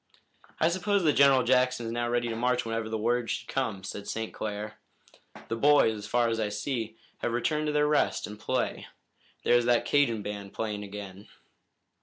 "I suppose that General Jackson is now ready to march whenever the word should come," said St. Clair. "The boys, as far as I can see, have returned to their rest and play. There's that Cajun band playing again."